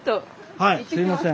はいすいません。